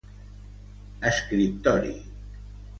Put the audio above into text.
Escriptori.